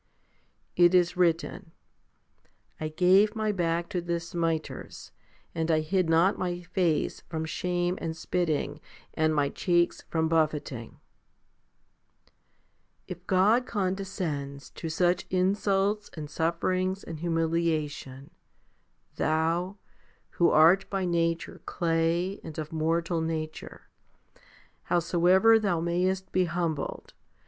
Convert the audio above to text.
It is written, / gave My back to the smiters, and I hid not My face from shame and spitting, and my cheeks from buffeting* If God condescends to such insults and sufferings and humilia tion, thou, who art by nature clay and of mortal nature, 1 Gen. xviii.